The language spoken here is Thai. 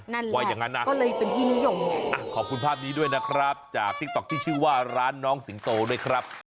ว่าอย่างนั้นนะก็เลยเป็นที่นิยมอ่ะขอบคุณภาพนี้ด้วยนะครับจากติ๊กต๊อกที่ชื่อว่าร้านน้องสิงโตด้วยครับ